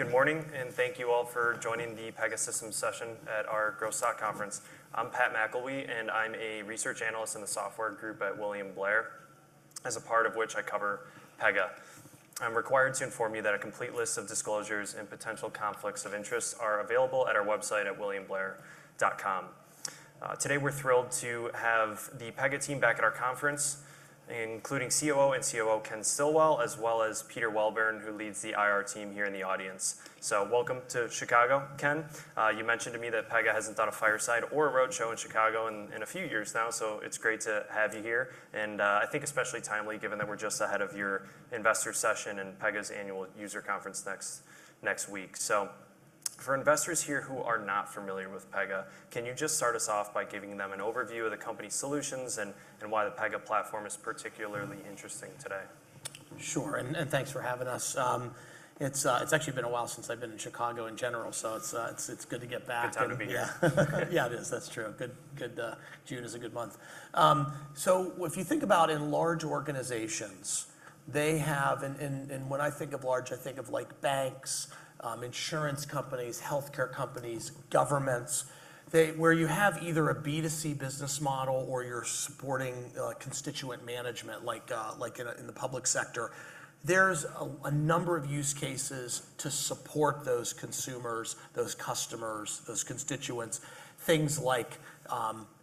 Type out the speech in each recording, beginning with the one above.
Good morning. Thank you all for joining the Pegasystems session at our Growth Stock conference. I'm Pat McIlwee, and I'm a research analyst in the software group at William Blair, as a part of which I cover Pega. I'm required to inform you that a complete list of disclosures and potential conflicts of interest are available at our website at williamblair.com. Today, we're thrilled to have the Pega team back at our conference, including COO and CFO Ken Stillwell, as well as Peter Welburn, who leads the IR team here in the audience. Welcome to Chicago, Ken. You mentioned to me that Pega hasn't done a fireside or a roadshow in Chicago in a few years now, so it's great to have you here. I think especially timely given that we're just ahead of your investor session and PegaWorld next week. For investors here who are not familiar with Pega, can you just start us off by giving them an overview of the company solutions and why the Pega platform is particularly interesting today? Sure. Thanks for having us. It's actually been a while since I've been in Chicago in general, so it's good to get back. Good time to be here. Yeah. Yeah, it is. That's true. June is a good month. If you think about in large organizations, they have, and when I think of large, I think of banks, insurance companies, healthcare companies, governments, where you have either a B2C business model or you're supporting constituent management like in the public sector. There is a number of use cases to support those consumers, those customers, those constituents. Things like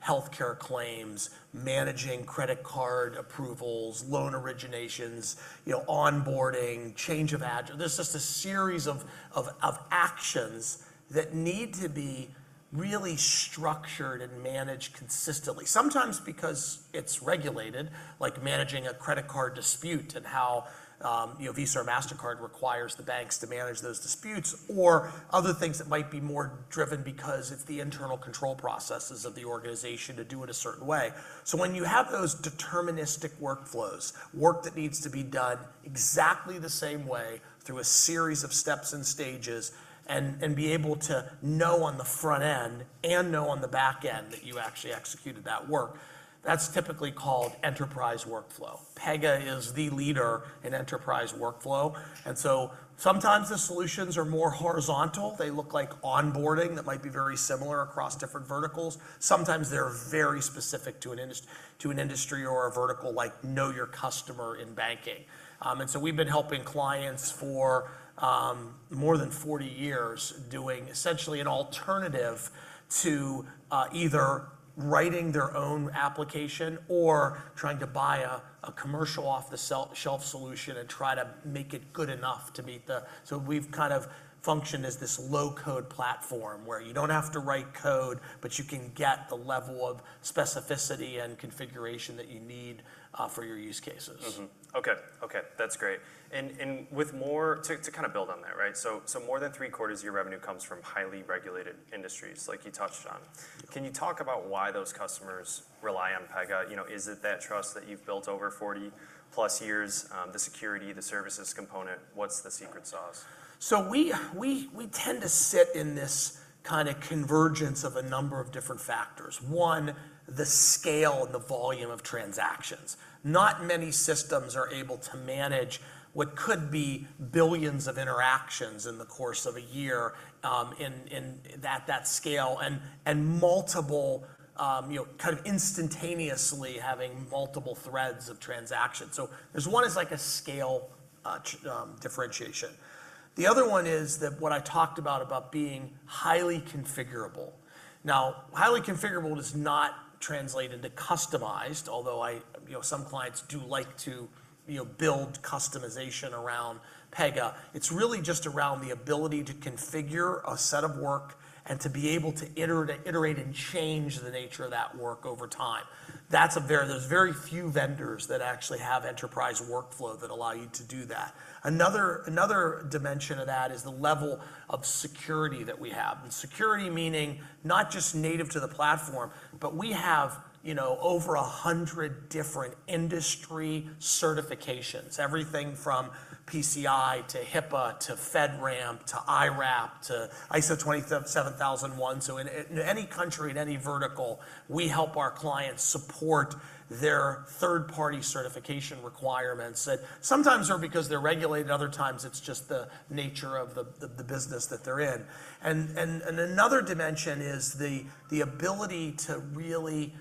healthcare claims, managing credit card approvals, loan originations, onboarding, change of address. There is just a series of actions that need to be really structured and managed consistently. Sometimes because it is regulated, like managing a credit card dispute and how Visa or Mastercard requires the banks to manage those disputes or other things that might be more driven because it is the internal control processes of the organization to do it a certain way. When you have those deterministic workflows, work that needs to be done exactly the same way through a series of steps and stages, and be able to know on the front end and know on the back end that you actually executed that work. That is typically called enterprise workflow. Pega is the leader in enterprise workflow. Sometimes the solutions are more horizontal. They look like onboarding that might be very similar across different verticals. Sometimes they are very specific to an industry or a vertical, like Know Your Customer in banking. We have been helping clients for more than 40 years doing essentially an alternative to either writing their own application or trying to buy a commercial off-the-shelf solution and try to make it good enough to meet the. We have kind of functioned as this low-code platform where you do not have to write code, but you can get the level of specificity and configuration that you need for your use cases. Okay. That is great. To kind of build on that, more than three quarters of your revenue comes from highly regulated industries like you touched on. Can you talk about why those customers rely on Pega? Is it that trust that you have built over 40+ years, the security, the services component? What is the secret sauce? We tend to sit in this kind of convergence of a number of different factors. One, the scale and the volume of transactions. Not many systems are able to manage what could be billions of interactions in the course of a year, in that scale and multiple, kind of instantaneously having multiple threads of transactions. There's one is like a scale differentiation. The other one is that what I talked about being highly configurable. Now, highly configurable does not translate into customized, although some clients do like to build customization around Pega. It's really just around the ability to configure a set of work and to be able to iterate and change the nature of that work over time. There's very few vendors that actually have enterprise workflow that allow you to do that. Another dimension of that is the level of security that we have. Security meaning not just native to the platform, but we have over 100 different industry certifications. Everything from PCI to HIPAA, to FedRAMP, to IRAP to ISO 27001. In any country, in any vertical, we help our clients support their third-party certification requirements that sometimes are because they're regulated. Other times, it's just the nature of the business that they're in. Another dimension is the ability to really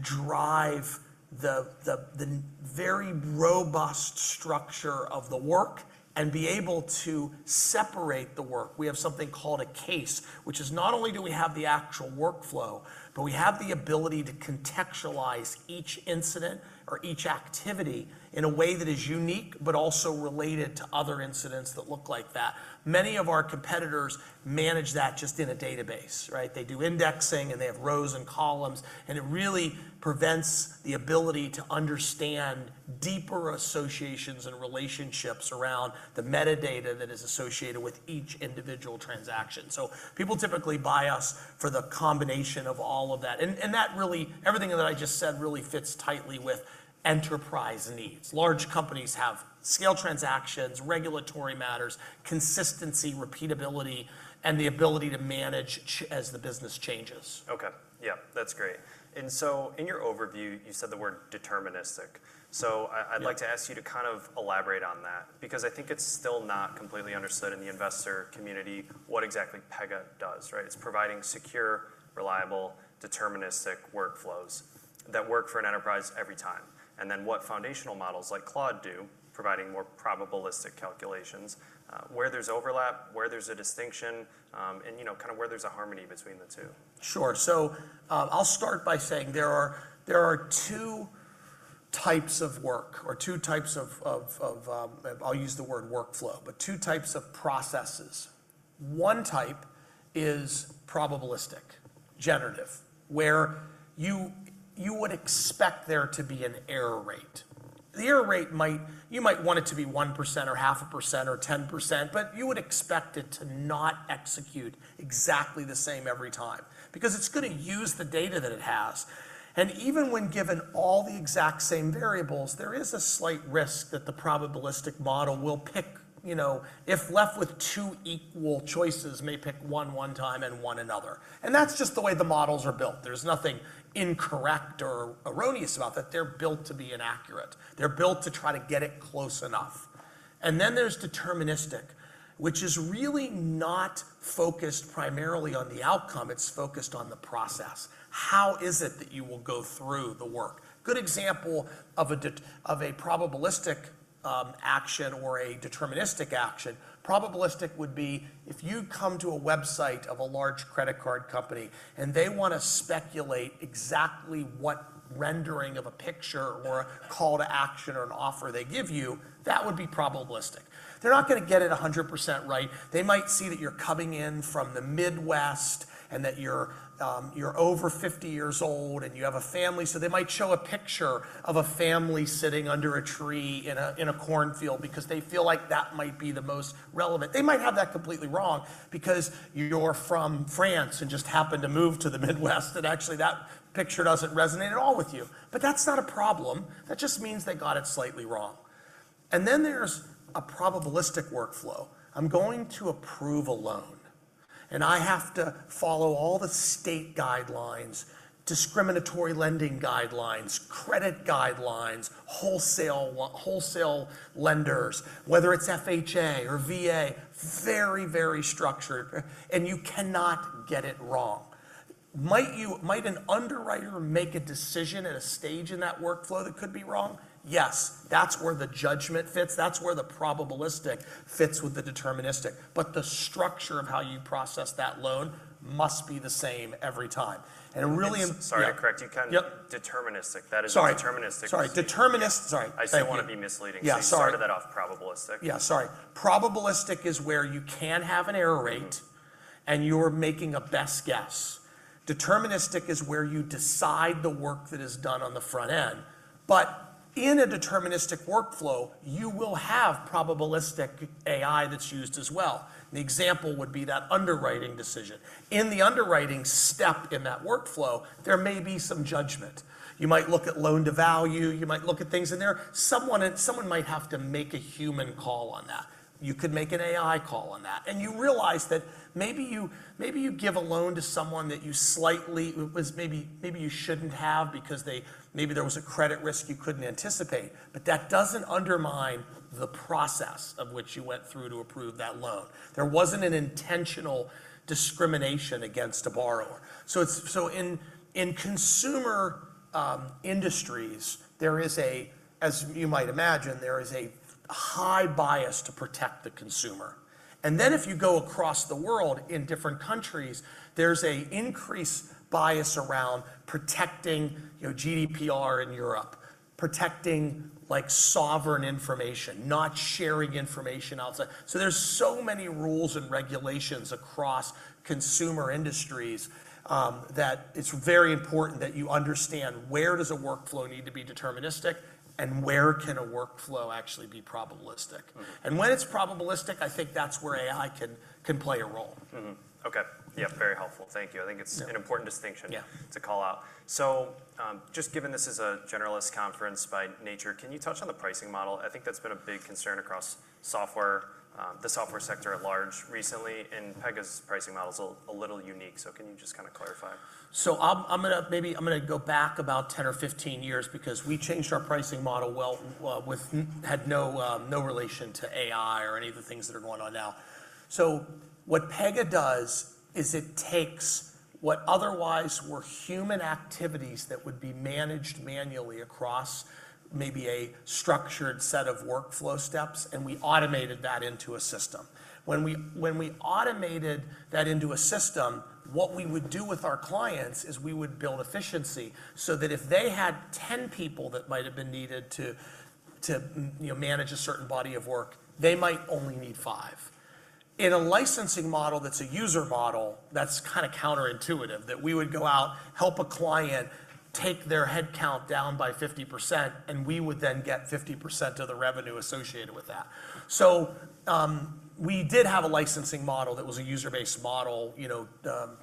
drive the very robust structure of the work and be able to separate the work. We have something called a case, which is not only do we have the actual workflow, but we have the ability to contextualize each incident or each activity in a way that is unique, but also related to other incidents that look like that. Many of our competitors manage that just in a database. They do indexing, and they have rows and columns, and it really prevents the ability to understand deeper associations and relationships around the metadata that is associated with each individual transaction. People typically buy us for the combination of all of that. That really, everything that I just said really fits tightly with enterprise needs. Large companies have scale transactions, regulatory matters, consistency, repeatability, and the ability to manage as the business changes. Okay. Yeah. That's great. In your overview, you said the word deterministic. I'd like to ask you to kind of elaborate on that because I think it's still not completely understood in the investor community what exactly Pega does. It's providing secure, reliable, deterministic workflows. That work for an enterprise every time. Then what foundational models like Claude do, providing more probabilistic calculations, where there's overlap, where there's a distinction, and kind of where there's a harmony between the two. Sure. I'll start by saying there are two types of work or two types of, I'll use the word workflow, but two types of processes. One type is probabilistic, generative, where you would expect there to be an error rate. The error rate, you might want it to be 1% or half a percent or 10%, but you would expect it to not execute exactly the same every time, because it's going to use the data that it has. Even when given all the exact same variables, there is a slight risk that the probabilistic model will pick, if left with two equal choices, may pick one one time and one another. That's just the way the models are built. There's nothing incorrect or erroneous about that. They're built to be inaccurate. They're built to try to get it close enough. Then there's deterministic, which is really not focused primarily on the outcome, it's focused on the process. How is it that you will go through the work? Good example of a probabilistic action or a deterministic action. Probabilistic would be if you come to a website of a large credit card company and they want to speculate exactly what rendering of a picture or a call to action or an offer they give you, that would be probabilistic. They're not going to get it 100% right. They might see that you're coming in from the Midwest and that you're over 50 years old and you have a family. They might show a picture of a family sitting under a tree in a corn field because they feel like that might be the most relevant. They might have that completely wrong because you're from France and just happened to move to the Midwest, and actually that picture doesn't resonate at all with you. That's not a problem. That just means they got it slightly wrong. Then there's a probabilistic workflow. I'm going to approve a loan, and I have to follow all the state guidelines, discriminatory lending guidelines, credit guidelines, wholesale lenders, whether it's FHA or VA. Very structured, and you cannot get it wrong. Might an underwriter make a decision at a stage in that workflow that could be wrong? Yes. That's where the judgment fits. That's where the probabilistic fits with the deterministic. The structure of how you process that loan must be the same every time. Really. Sorry to correct you. Yep. Deterministic. That is a deterministic- Sorry. Deterministic. Sorry. I want to- I just didn't want to be misleading. Yeah, sorry. You started that off probabilistic. Yeah, sorry. Probabilistic is where you can have an error rate and you're making a best guess. Deterministic is where you decide the work that is done on the front end. In a deterministic workflow, you will have probabilistic AI that's used as well. The example would be that underwriting decision. In the underwriting step in that workflow, there may be some judgment. You might look at loan-to-value, you might look at things in there. Someone might have to make a human call on that. You could make an AI call on that. You realize that maybe you give a loan to someone that maybe you shouldn't have because maybe there was a credit risk you couldn't anticipate. That doesn't undermine the process of which you went through to approve that loan. There wasn't an intentional discrimination against a borrower. In consumer industries, as you might imagine, there is a high bias to protect the consumer. Then if you go across the world in different countries, there's a increased bias around protecting GDPR in Europe. Protecting sovereign information, not sharing information outside. There's so many rules and regulations across consumer industries, that it's very important that you understand where does a workflow need to be deterministic and where can a workflow actually be probabilistic. When it's probabilistic, I think that's where AI can play a role. Mm-hmm. Okay. Yeah. Very helpful. Thank you. I think it's an important distinction. Yeah To call out. Just given this is a generalist conference by nature, can you touch on the pricing model? I think that's been a big concern across the software sector at large recently, and Pega's pricing model is a little unique. Can you just kind of clarify? I'm going to go back about 10 or 15 years because we changed our pricing model, had no relation to AI or any of the things that are going on now. What Pega does is it takes what otherwise were human activities that would be managed manually across maybe a structured set of workflow steps, and we automated that into a system. When we automated that into a system, what we would do with our clients is we would build efficiency so that if they had 10 people that might've been needed to manage a certain body of work, they might only need five. In a licensing model that's a user model, that's kind of counterintuitive. That we would go out, help a client take their headcount down by 50%, and we would then get 50% of the revenue associated with that. We did have a licensing model that was a user-based model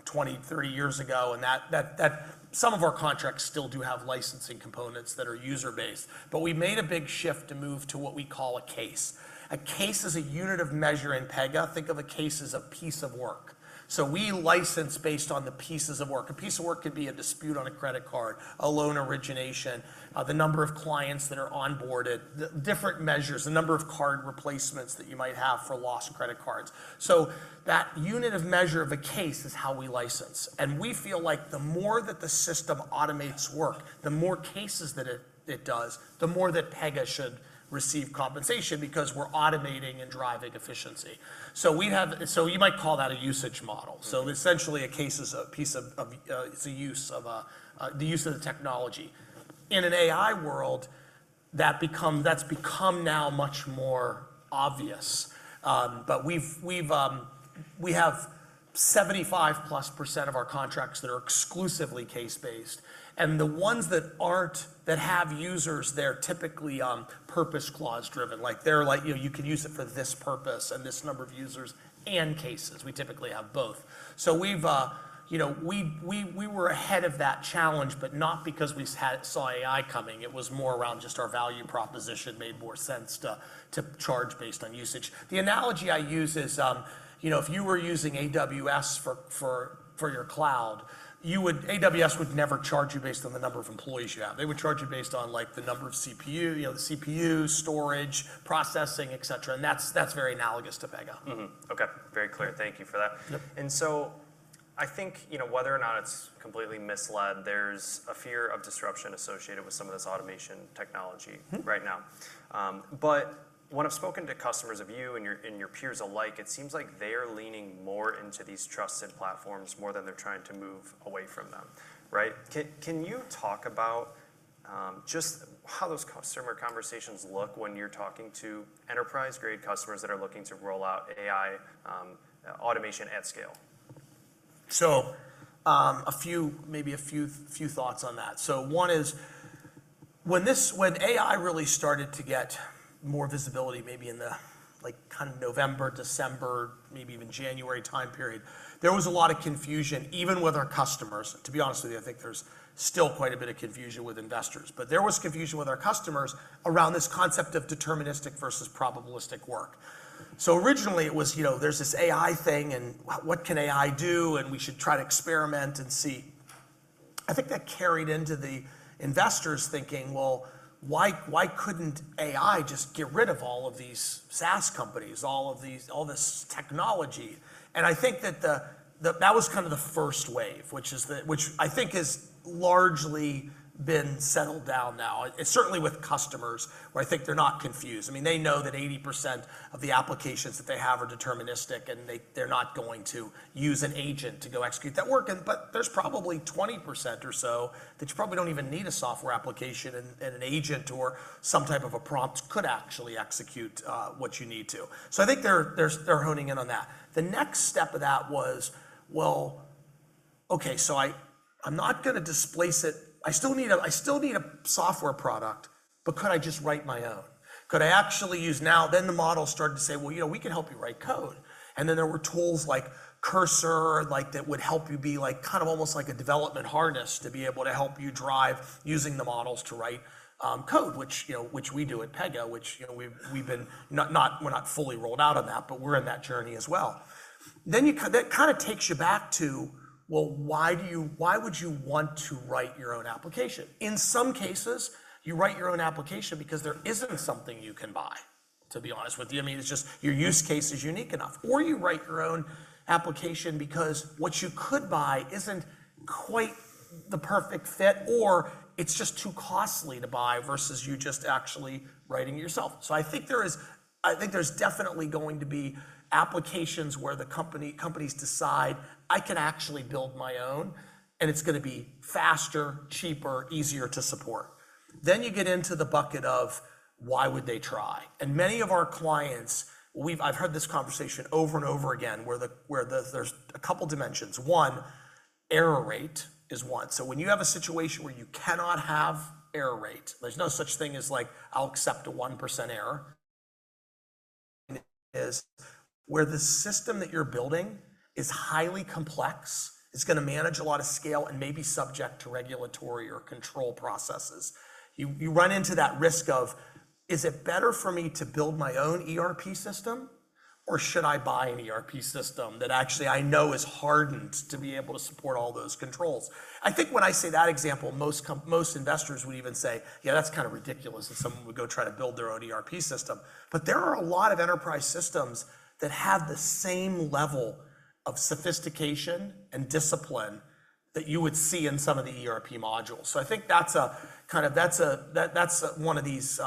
20, 30 years ago, and some of our contracts still do have licensing components that are user-based. We made a big shift to move to what we call a case. A case is a unit of measure in Pega. Think of a case as a piece of work. We license based on the pieces of work. A piece of work could be a dispute on a credit card, a loan origination, the number of clients that are onboarded, the different measures, the number of card replacements that you might have for lost credit cards. That unit of measure of a case is how we license. We feel like the more that the system automates work, the more cases that it does, the more that Pega should receive compensation because we're automating and driving efficiency. You might call that a usage model. Essentially a case is a use of the technology. In an AI world that's become now much more obvious. We have 75-plus % of our contracts that are exclusively case-based, and the ones that aren't, that have users there, typically purpose clause driven. They're like you can use it for this purpose and this number of users and cases. We typically have both. We were ahead of that challenge, but not because we saw AI coming. It was more around just our value proposition made more sense to charge based on usage. The analogy I use is if you were using AWS for your cloud, AWS would never charge you based on the number of employees you have. They would charge you based on the number of CPU, the CPU storage, processing, et cetera, and that's very analogous to Pega. Okay. Very clear. Thank you for that. Yep. I think, whether or not it's completely misled, there's a fear of disruption associated with some of this automation technology. right now. When I've spoken to customers of you and your peers alike, it seems like they are leaning more into these trusted platforms more than they're trying to move away from them. Right? Can you talk about just how those customer conversations look when you're talking to enterprise-grade customers that are looking to roll out AI automation at scale? Maybe a few thoughts on that. One is when AI really started to get more visibility, maybe in the kind of November, December, maybe even January time period, there was a lot of confusion, even with our customers. To be honest with you, I think there's still quite a bit of confusion with investors. There was confusion with our customers around this concept of deterministic versus probabilistic work. Originally it was, there's this AI thing and what can AI do? We should try to experiment and see. I think that carried into the investors thinking, "Well, why couldn't AI just get rid of all of these SaaS companies, all this technology?" I think that was kind of the first wave, which I think has largely been settled down now. Certainly with customers, where I think they're not confused. They know that 80% of the applications that they have are deterministic, and they're not going to use an agent to go execute that work. There's probably 20% or so that you probably don't even need a software application and an agent or some type of a prompt could actually execute what you need to. I think they're honing in on that. The next step of that was, well, okay, so I'm not going to displace it. I still need a software product, but could I just write my own? Could I actually use now The model started to say, "Well, we can help you write code." There were tools like Cursor, that would help you be kind of almost like a development harness to be able to help you drive using the models to write code, which we do at Pega. We're not fully rolled out on that, but we're in that journey as well. That kind of takes you back to, well, why would you want to write your own application? In some cases, you write your own application because there isn't something you can buy, to be honest with you. It's just your use case is unique enough. You write your own application because what you could buy isn't quite the perfect fit, or it's just too costly to buy versus you just actually writing it yourself. I think there's definitely going to be applications where the companies decide, "I can actually build my own, and it's going to be faster, cheaper, easier to support." You get into the bucket of why would they try? Many of our clients, I've heard this conversation over and over again where there's a couple dimensions. One, error rate is one. When you have a situation where you cannot have error rate, there's no such thing as like I'll accept a 1% error, is where the system that you're building is highly complex, it's going to manage a lot of scale, and may be subject to regulatory or control processes. You run into that risk of, is it better for me to build my own ERP system, or should I buy an ERP system that actually I know is hardened to be able to support all those controls? I think when I say that example, most investors would even say, "Yeah, that's kind of ridiculous that someone would go try to build their own ERP system." There are a lot of enterprise systems that have the same level of sophistication and discipline that you would see in some of the ERP modules. I think that's one of these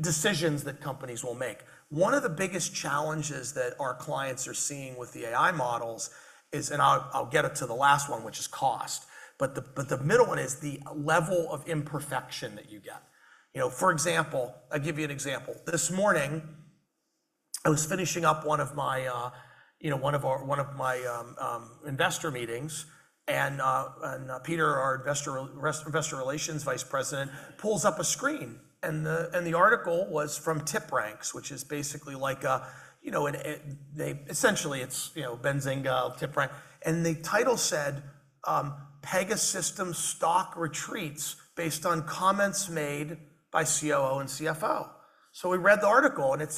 decisions that companies will make. One of the biggest challenges that our clients are seeing with the AI models is, and I'll get it to the last one, which is cost, but the middle one is the level of imperfection that you get. For example, I'll give you an example. This morning, I was finishing up one of my investor meetings, and Peter, our investor relations vice president, pulls up a screen. The article was from TipRanks, which is basically like a Essentially it's Benzinga of TipRanks. The title said, "Pegasystems stock retreats based on comments made by COO and CFO." We read the article and it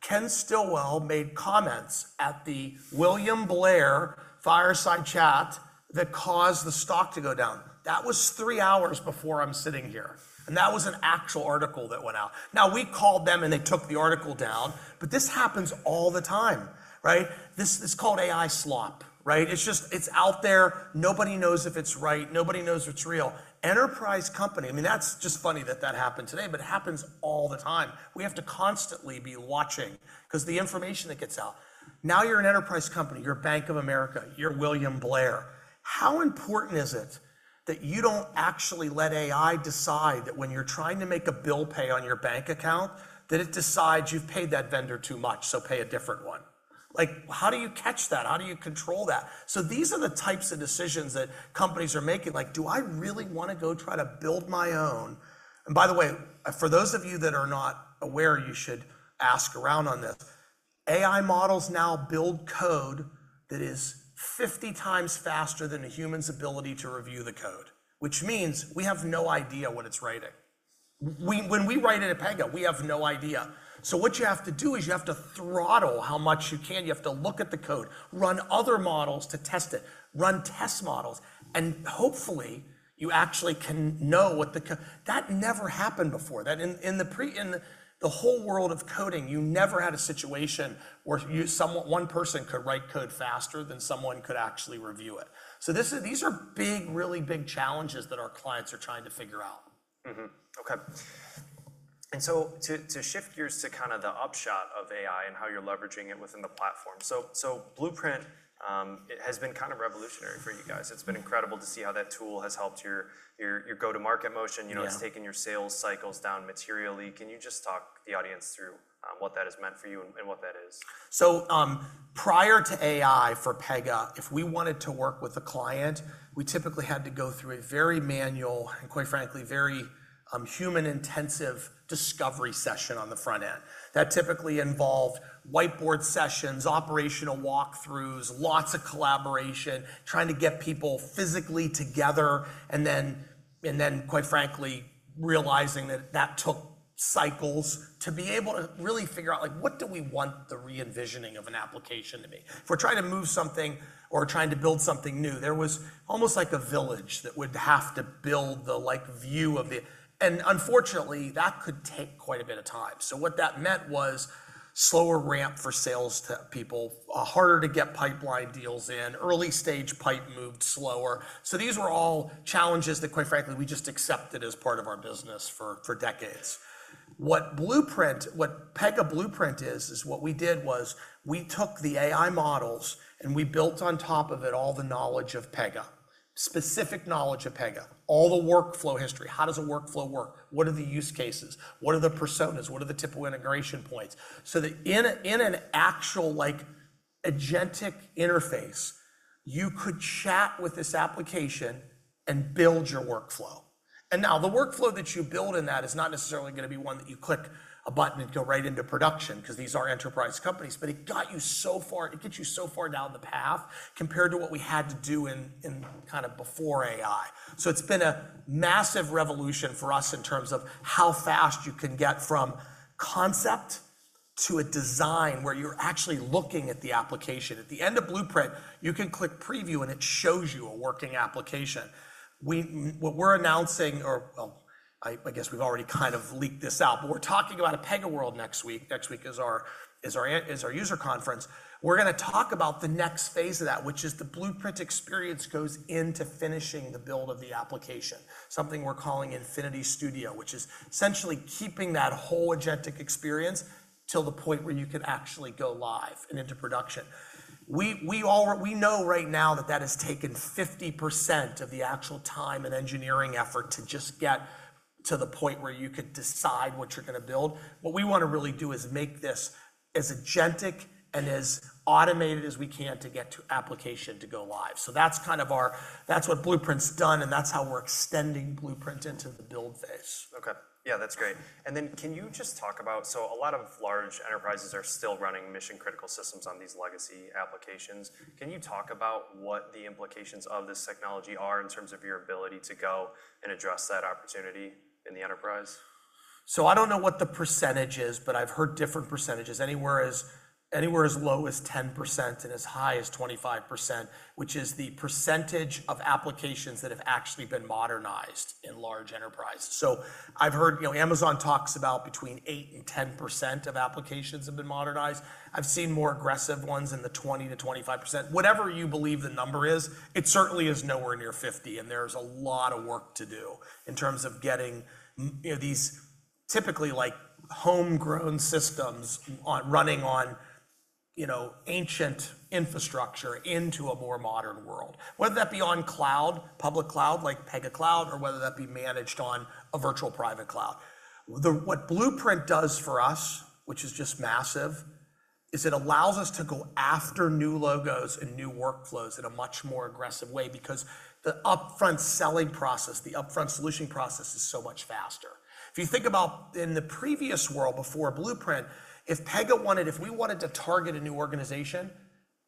said Ken Stillwell made comments at the William Blair fireside chat that caused the stock to go down. That was 3 hours before I'm sitting here, and that was an actual article that went out. We called them, and they took the article down, but this happens all the time. Right. This is called AI slop. Right. It's out there. Nobody knows if it's right. Nobody knows if it's real. Enterprise company That's just funny that that happened today, but it happens all the time. We have to constantly be watching because the information that gets out. You're an enterprise company. You're Bank of America. You're William Blair. How important is it that you don't actually let AI decide that when you're trying to make a bill pay on your bank account, that it decides you've paid that vendor too much, so pay a different one? How do you catch that? How do you control that? These are the types of decisions that companies are making. Do I really want to go try to build my own? By the way, for those of you that are not aware, you should ask around on this. AI models now build code that is 50 times faster than a human's ability to review the code, which means we have no idea what it's writing. When we write it at Pega, we have no idea. What you have to do is you have to throttle how much you can. You have to look at the code, run other models to test it, run test models, and hopefully, you actually can know. That never happened before. In the whole world of coding, you never had a situation where one person could write code faster than someone could actually review it. These are really big challenges that our clients are trying to figure out. To shift gears to kind of the upshot of AI and how you're leveraging it within the platform. Blueprint, it has been kind of revolutionary for you guys. It's been incredible to see how that tool has helped your go-to-market motion. Yeah. It's taken your sales cycles down materially. Can you just talk the audience through what that has meant for you and what that is? Prior to AI for Pega, if we wanted to work with a client, we typically had to go through a very manual, and quite frankly, very human-intensive discovery session on the front end. That typically involved whiteboard sessions, operational walkthroughs, lots of collaboration, trying to get people physically together, and then quite frankly, realizing that that took cycles to be able to really figure out what do we want the re-envisioning of an application to be? If we're trying to move something or trying to build something new, there was almost like a village that would have to build the view of it, and unfortunately, that could take quite a bit of time. What that meant was slower ramp for sales people, harder to get pipeline deals in, early-stage pipe moved slower. These were all challenges that quite frankly, we just accepted as part of our business for decades. What Pega Blueprint is is what we did was we took the AI models and we built on top of it all the knowledge of Pega. Specific knowledge of Pega. All the workflow history. How does a workflow work? What are the use cases? What are the personas? What are the typical integration points? That in an actual agentic interface, you could chat with this application and build your workflow. Now the workflow that you build in that is not necessarily going to be one that you click a button and go right into production because these are enterprise companies. It gets you so far down the path compared to what we had to do in before AI. It's been a massive revolution for us in terms of how fast you can get from concept to a design where you're actually looking at the application. At the end of Blueprint, you can click preview, and it shows you a working application. What we're announcing, or, well, I guess we've already kind of leaked this out, but we're talking about a PegaWorld next week. Next week is our user conference. We're going to talk about the next phase of that, which is the Blueprint experience goes into finishing the build of the application. Something we're calling Infinity Studio, which is essentially keeping that whole agentic experience till the point where you can actually go live and into production. We know right now that that has taken 50% of the actual time and engineering effort to just get to the point where you could decide what you're going to build. What we want to really do is make this as agentic and as automated as we can to get to application to go live. That's what Blueprint's done, and that's how we're extending Blueprint into the build phase. Okay. Yeah, that's great. Can you just talk about, a lot of large enterprises are still running mission-critical systems on these legacy applications. Can you talk about what the implications of this technology are in terms of your ability to go and address that opportunity in the enterprise? I don't know what the percentage is, I've heard different percentages. Anywhere as low as 10% and as high as 25%, which is the percentage of applications that have actually been modernized in large enterprise. I've heard Amazon talks about between 8%-10% of applications have been modernized. I've seen more aggressive ones in the 20%-25%. Whatever you believe the number is, it certainly is nowhere near 50%, there's a lot of work to do in terms of getting these typically homegrown systems running on ancient infrastructure into a more modern world. Whether that be on cloud, public cloud, like Pega Cloud, or whether that be managed on a virtual private cloud. What Blueprint does for us, which is just massive, is it allows us to go after new logos and new workflows in a much more aggressive way because the upfront selling process, the upfront solution process is so much faster. If you think about in the previous world before Blueprint, if we wanted to target a new organization,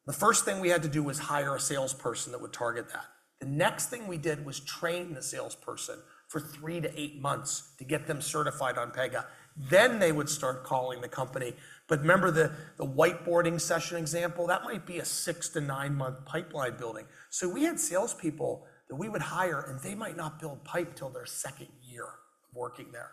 the first thing we had to do was hire a salesperson that would target that. The next thing we did was train the salesperson for three to eight months to get them certified on Pega. They would start calling the company. Remember the whiteboarding session example? That might be a six to nine-month pipeline building. We had salespeople that we would hire, they might not build pipe till their second year of working there.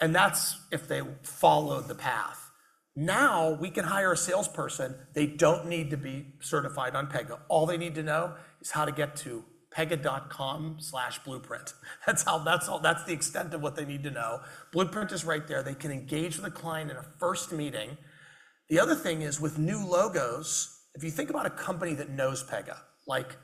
That's if they followed the path. Now we can hire a salesperson. They don't need to be certified on Pega. All they need to know is how to get to pega.com/blueprint. That's the extent of what they need to know. Blueprint is right there. They can engage with a client in a first meeting. The other thing is with new logos, if you think about a company that knows Pega, like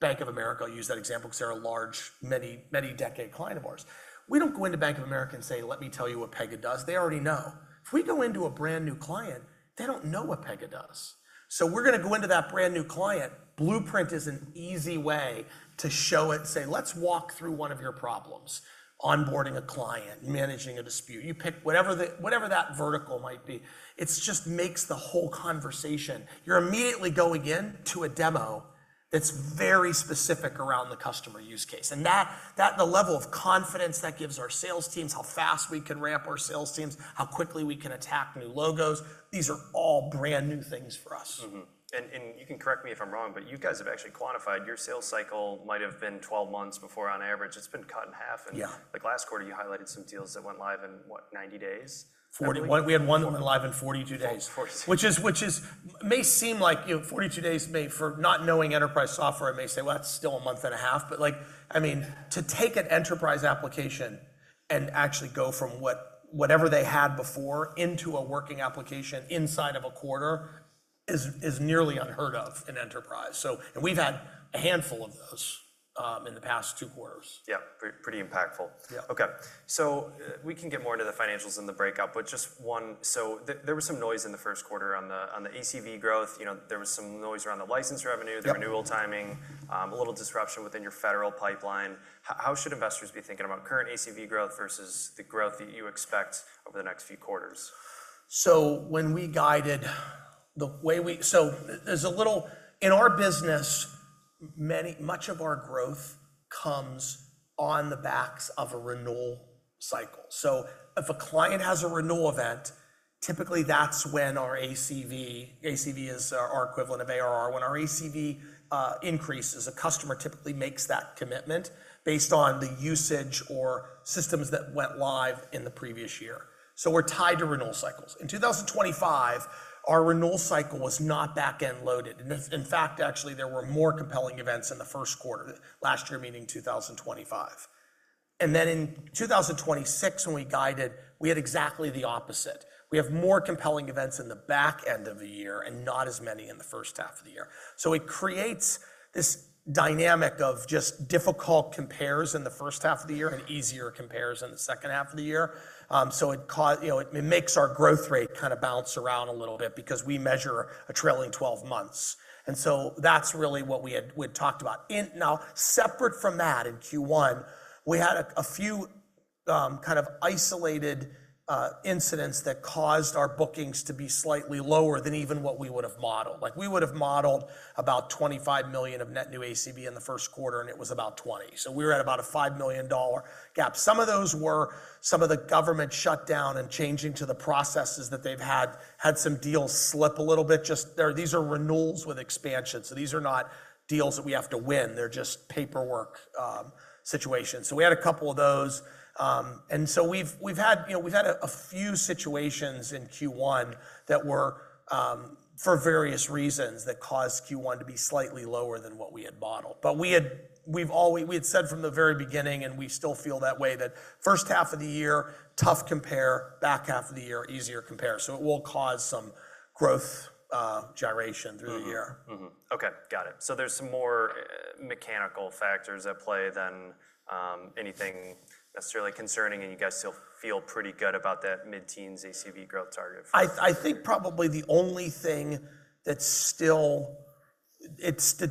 Bank of America, I'll use that example because they're a large, many decade client of ours. We don't go into Bank of America and say, "Let me tell you what Pega does." They already know. If we go into a brand new client, they don't know what Pega does. We're going to go into that brand new client. Blueprint is an easy way to show it, say, "Let's walk through one of your problems." Onboarding a client, managing a dispute. You pick whatever that vertical might be. It just makes the whole conversation. You're immediately going in to a demo that's very specific around the customer use case. The level of confidence that gives our sales teams, how fast we can ramp our sales teams, how quickly we can attack new logos, these are all brand new things for us. You can correct me if I'm wrong, you guys have actually quantified your sales cycle might have been 12 months before on average. It's been cut in half. Yeah. Like last quarter, you highlighted some deals that went live in what, 90 days? We had one that went live in 42 days. 42. Which may seem like 42 days for not knowing enterprise software, I may say, "Well, that's still a month and a half." To take an enterprise application and actually go from whatever they had before into a working application inside of a quarter is nearly unheard of in enterprise. We've had a handful of those in the past two quarters. Yeah. Pretty impactful. Yeah. Okay. We can get more into the financials in the breakout, just one. There was some noise in the first quarter on the ACV growth. There was some noise around the license revenue- Yeah the renewal timing, a little disruption within your federal pipeline. How should investors be thinking about current ACV growth versus the growth that you expect over the next few quarters? In our business, much of our growth comes on the backs of a renewal cycle. If a client has a renewal event, typically that's when our ACV is our equivalent of ARR. When our ACV increases, a customer typically makes that commitment based on the usage or systems that went live in the previous year. We're tied to renewal cycles. In 2025, our renewal cycle was not back-end loaded. In fact, actually, there were more compelling events in the first quarter. Last year meaning 2025. In 2026 when we guided, we had exactly the opposite. We have more compelling events in the back end of the year and not as many in the first half of the year. It creates this dynamic of just difficult compares in the first half of the year and easier compares in the second half of the year. It makes our growth rate kind of bounce around a little bit because we measure a trailing 12 months. That's really what we had talked about. Now, separate from that, in Q1, we had a few kind of isolated incidents that caused our bookings to be slightly lower than even what we would've modeled. We would've modeled about $25 million of net new ACV in the first quarter, and it was about 20. We were at about a $5 million gap. Some of those were some of the government shutdown and changing to the processes that they've had some deals slip a little bit. These are renewals with expansion. These are not deals that we have to win. They're just paperwork situations. We had a couple of those. We've had a few situations in Q1 that were for various reasons that caused Q1 to be slightly lower than what we had modeled. We had said from the very beginning, and we still feel that way, that first half of the year, tough compare. Back half of the year, easier compare. It will cause some growth gyration through the year. Mm-hmm. Okay. Got it. There's some more mechanical factors at play than anything necessarily concerning, and you guys still feel pretty good about that mid-teens ACV growth target for- I think probably the only thing that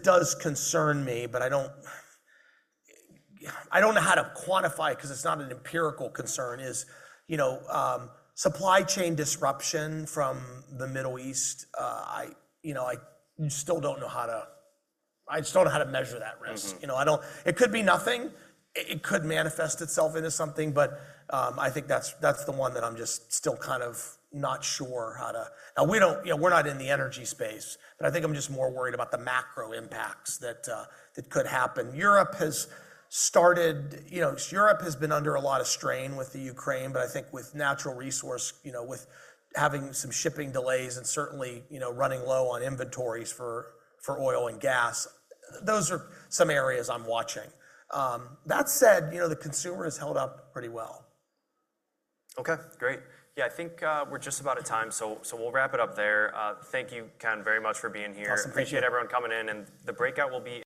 does concern me, but I don't know how to quantify it because it's not an empirical concern, is supply chain disruption from the Middle East. I still don't know how to measure that risk. It could be nothing. It could manifest itself into something. I think that's the one that I'm just still kind of not sure how to. We're not in the energy space. I think I'm just more worried about the macro impacts that could happen. Europe has been under a lot of strain with Ukraine. I think with natural resource, with having some shipping delays and certainly running low on inventories for oil and gas. Those are some areas I'm watching. That said, the consumer has held up pretty well. Okay. Great. I think we're just about at time. We'll wrap it up there. Thank you, Ken, very much for being here. Awesome. Thank you. Appreciate everyone coming in, and the breakout will be